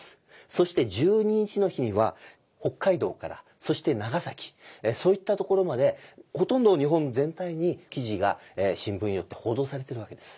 そして１２日の日には北海道からそして長崎そういったところまでほとんど日本全体に記事が新聞によって報道されてるわけです。